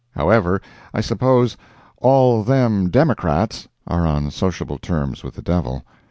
However, I suppose "all them Democrats" are on sociable terms with the devil.